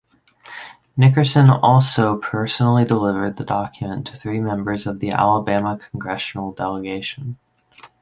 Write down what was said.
Nickerson also personally delivered the document to three members of the Alabama congressional delegation.